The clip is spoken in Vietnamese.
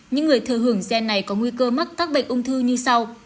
những người thừa hưởng gen này có nguy cơ mắc các bệnh ung thư như sau